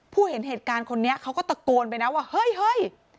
เห็นเหตุการณ์คนนี้เขาก็ตะโกนไปนะว่าเฮ้ย